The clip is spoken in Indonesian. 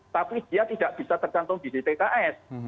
tapi dia tidak bisa tergantung di dtkf